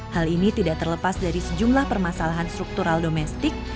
hal ini tidak terlepas dari sejumlah permasalahan struktural domestik